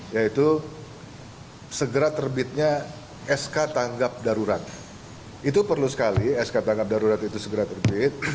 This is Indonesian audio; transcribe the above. yaitu segera terbitnya sk tanggap darurat itu perlu sekali sk tanggap darurat itu segera terbit